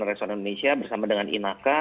indonesia bersama dengan inaca